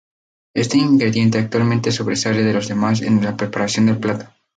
Este ingrediente actualmente sobresale de los demás en la preparación del plato.